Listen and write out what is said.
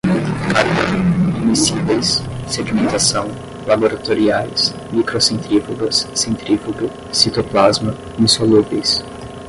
cardan, imiscíveis, sedimentação, laboratoriais, microcentrífugas, centrífuga, citoplasma, insolúveis